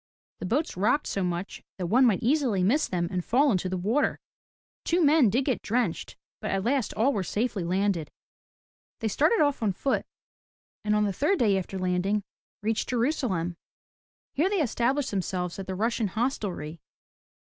The boats rocked so much that one might easily miss them and fall into the water. Two men did get drenched, but at last all were safely landed. They started off on foot, and on the third day after landing, reached Jerusalem. Here they established themselves at the Russian Hostelry.